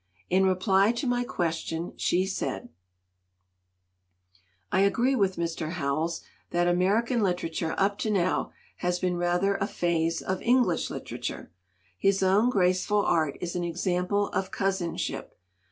In reply to my question she said: "I agree with Mr. Howells that American literature up to now has been rather a phase of English literature. His own graceful art is an example of cousinship.